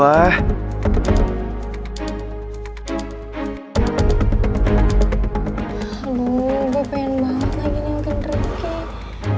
aduh gue pengen banget lagi nyengken rekening